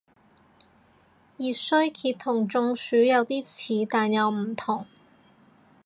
熱衰竭同中暑有啲似但又唔同